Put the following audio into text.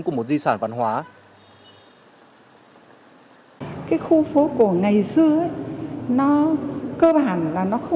của một di sản văn hóa